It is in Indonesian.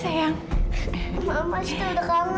saya atau hmm